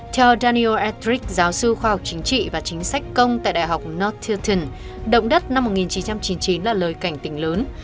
theo daniel ettrich giáo sư khoa học chính trị và chính sách công tại đại học north tilton động đất năm một nghìn chín trăm chín mươi chín là lời cảnh tình lớn